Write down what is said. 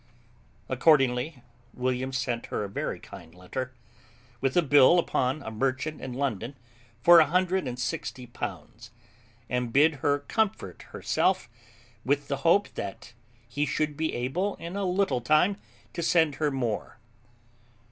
Accordingly William sent her a very kind letter, with a bill upon a merchant in London for a hundred and sixty pounds, and bid her comfort herself with the hope that he should be able in a little time to send her more.